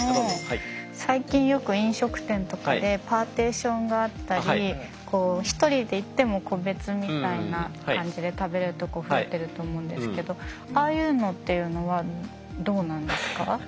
最近よく飲食店とかでパーテーションがあったり１人で行っても個別みたいな感じで食べれるとこ増えてると思うんですけどああいうのっていうのはどうなんですか？